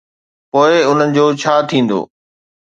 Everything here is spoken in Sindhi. پوءِ انهن جو ڇا ٿيندو؟